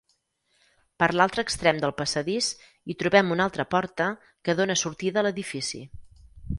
Per l'altre extrem del passadís hi trobem una altra porta que dóna sortida a l'edifici.